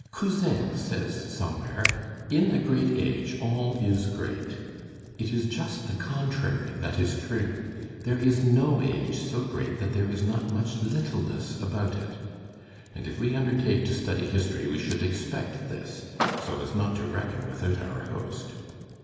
Cousin says somewhere, "In a great age all is great." It is just the contrary that is true: there is no age so great that there is not much littleness about it; and if we undertake to study history we should expect this, so as not to reckon without our host.